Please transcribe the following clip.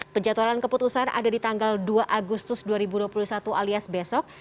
penjatualan keputusan ada di tanggal dua agustus dua ribu dua puluh satu alias besok